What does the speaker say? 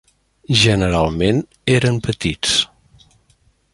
Generalment eren petits.